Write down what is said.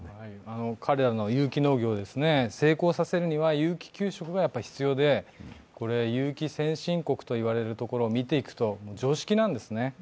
彼らの有機農業、成功させるには有機給食がやはり必要で、勇樹先進国と呼ばれるところを見ていると、常識なんですね。